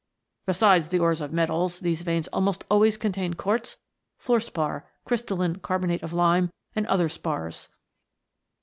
Besides the ores of metals, these veins almost always contain quartz, fluorspar, crys talline carbonate of lime, and other spars.